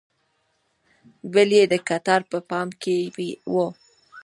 بل یې د کتار په پای کې و.